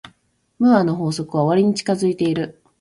ムーアの法則は終わりに近づいている。